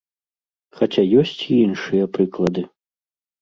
Хаця ёсць і іншыя прыклады.